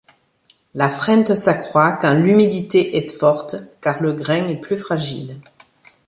La freinte s’accroît quand l’humidité est forte car le grain est plus fragile.